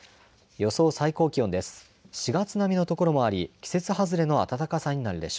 予想最高気温です。